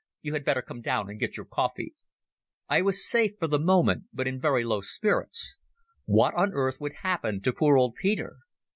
"You had better come down and get your coffee." I was safe for the moment but in very low spirits. What on earth would happen to poor old Peter?